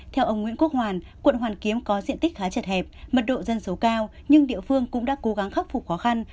theo ông nguyễn quốc hoàn quận hoàn kiếm có diện tích khá chật hẹp mật độ dân số cao nhưng địa phương cũng đã cố gắng khắc phục khó khăn